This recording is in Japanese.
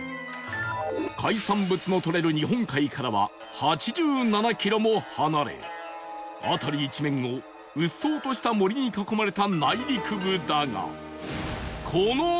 海産物のとれる日本海からは８７キロも離れ辺り一面をうっそうとした森に囲まれた内陸部だが